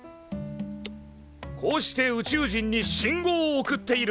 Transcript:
こうして宇宙人に信号を送っているのだ！